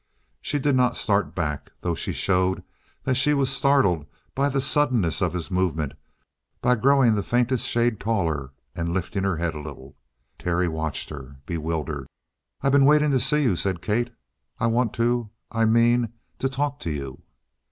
She did not start back, though she showed that she was startled by the suddenness of his movement by growing the faintest shade taller and lifting her head a little. Terry watched her, bewildered. "I been waiting to see you," said Kate. "I want to I mean to talk to you."